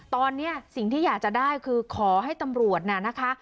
ตอนนี้สิ่งที่อยากจะได้คือขอให้ตำรวจน่ะนะคะ